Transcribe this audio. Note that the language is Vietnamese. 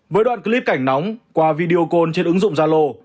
với đoạn clip cảnh nóng qua video call trên ứng dụng zalo